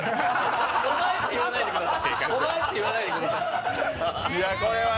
お前って言わないでください。